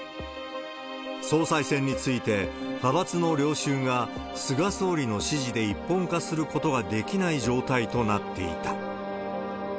総裁選について、派閥の領袖が菅総理の支持で一本化することができない状態となっていた。